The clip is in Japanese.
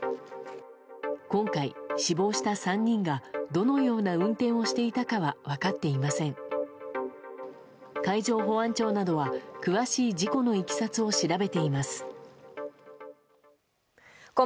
今回、死亡した３人がどのような運転をしていたかは分かっていません。